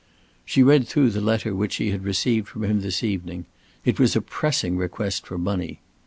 She read through the letter which she had received from him this evening. It was a pressing request for money.